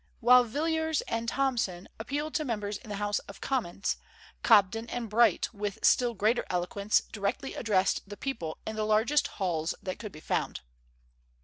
While Villiers and Thomson appealed to members in the House of Commons, Cobden and Bright with still greater eloquence directly addressed the people in the largest halls that could be found.